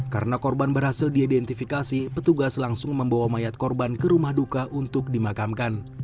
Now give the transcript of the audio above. karena korban berhasil diidentifikasi petugas langsung membawa mayat korban ke rumah duka untuk dimakamkan